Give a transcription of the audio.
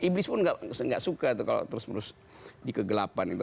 iblis pun nggak suka kalau terus menerus di kegelapan itu